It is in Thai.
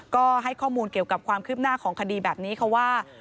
ก็ให้ข้อมูลเกี่ยวกับความคืบหน้าของคดีแบบนี้ค่ะว่า